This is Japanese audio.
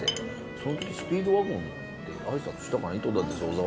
その時スピードワゴンであいさつしたかな？